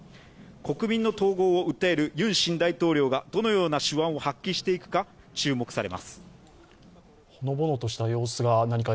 国民の統合を訴えるユン新大統領がどのような手腕を発揮していくか注目されます。